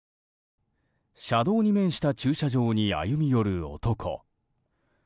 車道に面した駐車場に歩み寄る男。